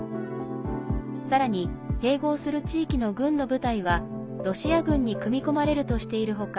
さらに、併合する地域の軍の部隊はロシア軍に組み込まれるとしている他